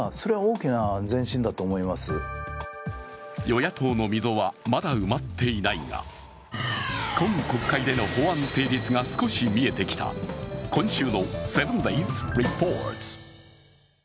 与野党の溝はまだ埋まっていないが、今国会での法案成立が少し見えてきた今週の「７ｄａｙｓリポート」。